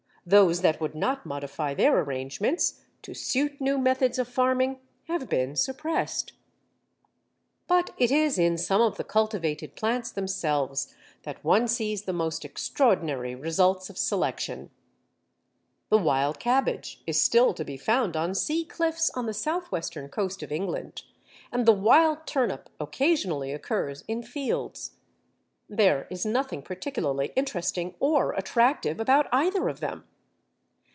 Those that would not modify their arrangements to suit new methods of farming have been suppressed. But it is in some of the cultivated plants themselves that one sees the most extraordinary results of selection. The Wild Cabbage is still to be found on sea cliffs on the south western coast of England, and the Wild Turnip occasionally occurs in fields. There is nothing particularly interesting or attractive about either of them.